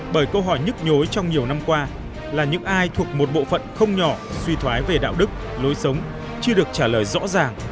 bởi câu hỏi nhức nhối trong nhiều năm qua là những ai thuộc một bộ phận không nhỏ suy thoái về đạo đức lối sống chưa được trả lời rõ ràng